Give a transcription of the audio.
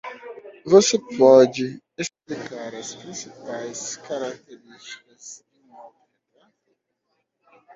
Você pode explicar as principais características de um auto-retrato?